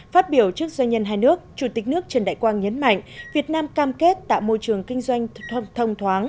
phát biểu trước doanh nhân hai nước chủ tịch nước trần đại quang nhấn mạnh việt nam cam kết tạo môi trường kinh doanh thông thoáng